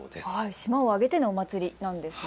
島を挙げてのお祭りなんですね。